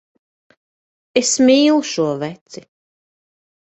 Es mīlu šo veci.